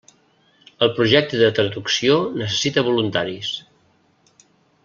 El projecte de traducció necessita voluntaris.